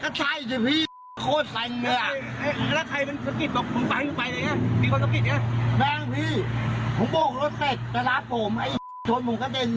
แม่งพี่ผมโบกรถแขกตลาดผมไอ้โทรผมกระเต็นเลย